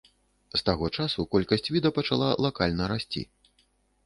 З таго часу колькасць віда пачала лакальна расці.